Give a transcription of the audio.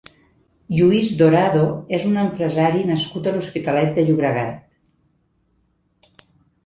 Lluis Dorado és un empresari nascut a l'Hospitalet de Llobregat.